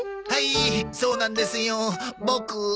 はいそうなんですよ。ボク